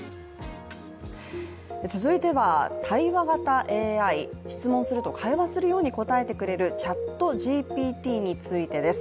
続いては、対話型ＡＩ、質問すると会話するように答えてくれるＣｈａｔＧＰＴについてです。